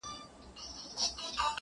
• ورځ په ورځ دي شواخون درته ډېرېږی -